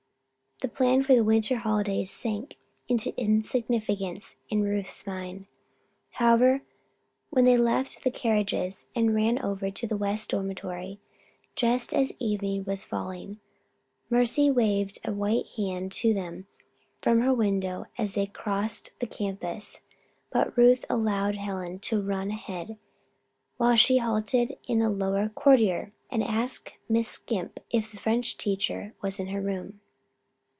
The plan for the winter holidays sank into insignificance in Ruth's mind, however, when they left the carriages and ran over to the West Dormitory just as evening was falling. Mercy waved a white hand to them from her window as they crossed the campus; but Ruth allowed Helen to run ahead while she halted in the lower corridor and asked Miss Scrimp if the French teacher was in her room.